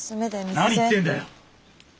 何言ってんだよ！